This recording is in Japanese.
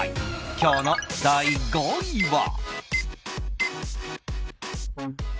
今日の第５位は。